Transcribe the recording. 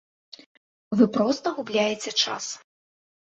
Вы проста губляеце час.